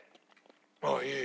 あっいい！